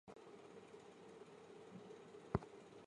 赖沙是德国巴伐利亚州的一个市镇。